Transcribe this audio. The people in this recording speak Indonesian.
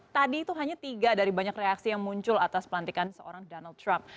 tadi itu hanya tiga dari banyak reaksi yang muncul atas pelantikan seorang donald trump